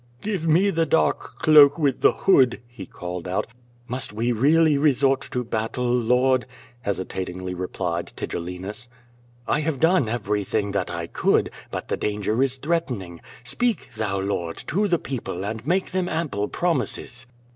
"Give me the dark cloak with the hood,'* he called out. "Must we really resort to battle, Lord?" hesitatingly replied Tigellinus. "1 have done everything that I could, but the danger is threatening. Speak, thou Lord, to the people and make them ample promises."